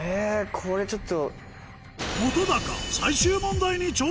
これちょっと。